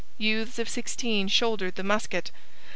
Youths of sixteen shouldered the musket.